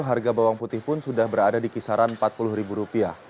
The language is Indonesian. harga bawang putih pun sudah berada di kisaran rp empat puluh